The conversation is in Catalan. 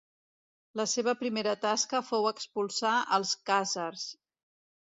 La seva primera tasca fou expulsar als Khàzars.